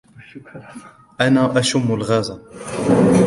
أنا أشم الغاز.